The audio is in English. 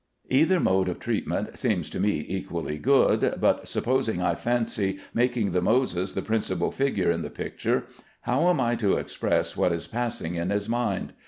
Either mode of treatment seems to me equally good, but supposing I fancy making the Moses the principal figure in the picture, how am I to express what is passing in his mind?